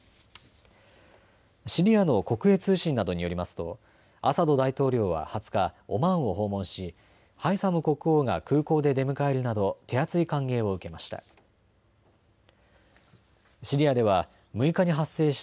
シリアの国営通信などによりますとアサド大統領は２０日、オマーンを訪問しハイサム国王が空港で出迎えるなど手厚い歓迎を受けました。